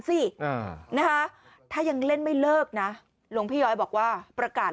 ไม่ฝากครับเราไม่ได้กหกแขนอะไร